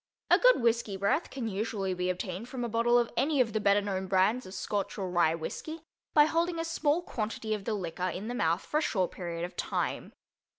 A good whisky breath can usually be obtained from a bottle of any of the better known brands of Scotch or Rye whisky by holding a small quantity of the liquor in the mouth for a short period of time.